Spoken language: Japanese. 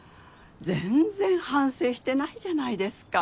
全然反省してないじゃないですか。